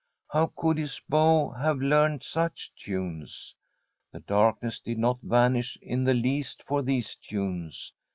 How could his bow have learned such tunes? The darkness did not vanish in the least for these tunes.